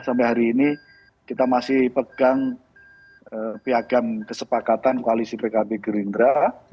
sampai hari ini kita masih pegang piagam kesepakatan koalisi pkb gerindra